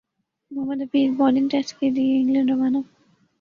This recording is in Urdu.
محمد حفیظ بالنگ ٹیسٹ کیلئے انگلینڈ روانہ